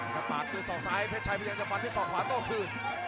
กระปากตัวสองซ้ายเผชัยพระเจ้าจะฟันที่สองขวานต้องเอาคืน